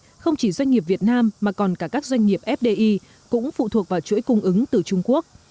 không chỉ không chỉ doanh nghiệp việt nam mà còn cả các doanh nghiệp fdi cũng phụ thuộc vào chuỗi cung ứng từ trung quốc